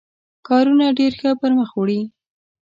کارونه ډېر ښه پر مخ وړي.